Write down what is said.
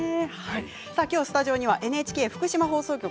きょうスタジオにはＮＨＫ福島放送局